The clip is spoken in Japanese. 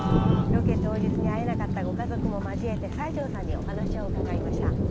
ロケ当日に会えなかったご家族も交えて西條さんにお話を伺いました。